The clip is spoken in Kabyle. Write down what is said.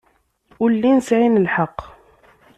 Ur llin sɛan lḥeqq.